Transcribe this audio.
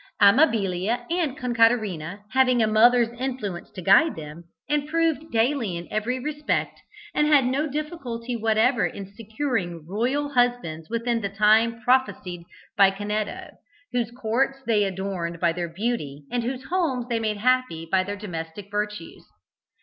Amabilia and Concaterina, having a mother's influence to guide them, improved daily in every respect, and had no difficulty whatever in securing royal husbands within the time prophesied by Canetto, whose courts they adorned by their beauty and whose homes they made happy by their domestic virtues.